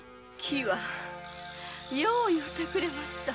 喜和よう言うてくれました。